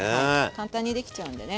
簡単にできちゃうんでね。